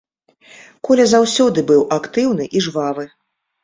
Коля заўсёды быў актыўны і жвавы.